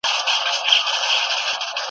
د یوه لېوه له خولې بل ته ور لوېږي .